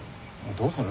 どうする？